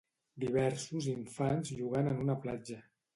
Diversos infants jugant en una platja.